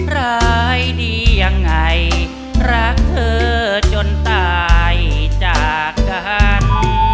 ร้ายดียังไงรักเธอจนตายจากกัน